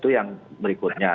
itu yang berikutnya